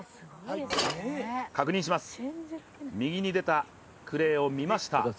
確認します、右に出たクレーを見ました。